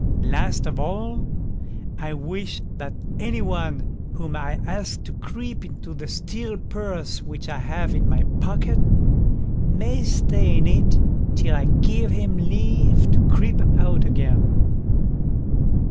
Last of all, I wish that any one whom I ask to creep into the steel purse which I have in my pocket, may stay in it till I give him leave to creep out again."